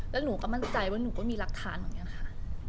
แล้วหนูก็มั่นใจว่าหนูก็มีหลักฐานเหมือนกันค่ะ